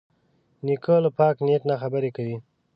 نیکه له پاک نیت نه خبرې کوي.